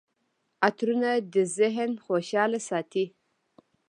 عطرونه د ذهن خوشحاله ساتي.